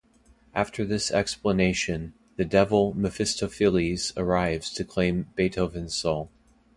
After this explanation, the devil Mephistopheles arrives to claim Beethoven's soul.